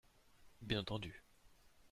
Bien entendu.